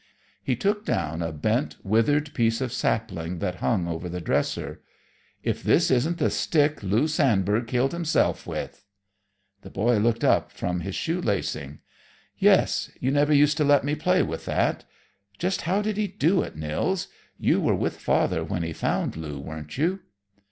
He took down a bent, withered piece of sapling that hung over the dresser. "If this isn't the stick Lou Sandberg killed himself with!" The boy looked up from his shoe lacing. "Yes; you never used to let me play with that. Just how did he do it, Nils? You were with father when he found Lou, weren't you?"